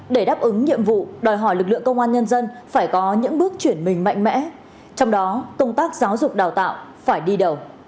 để đáp ứng nhiệm vụ đòi hỏi lực lượng công an nhân dân phải có những bước chuyển mình mạnh mẽ trong đó công tác giáo dục đào tạo phải đi đầu